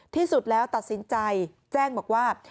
ที่สุดแล้วตัดสินใจแจ้งบอกว่า